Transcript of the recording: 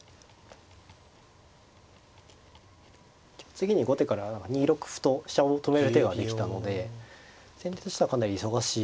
次に後手から２六歩と飛車を止める手ができたので先手としてはかなり忙しい。